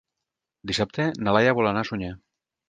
Dissabte na Laia vol anar a Sunyer.